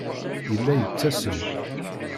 Yella yettasem.